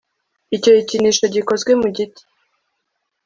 icyo gikinisho gikozwe mu giti